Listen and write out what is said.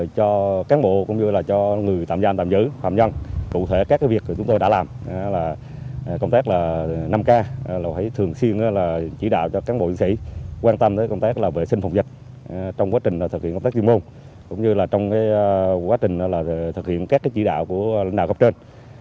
cho cán bộ cũng như là cho người tạm giam tạm giữ phạm nhân